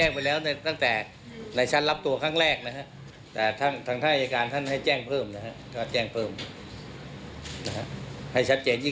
คำถามตอนนี้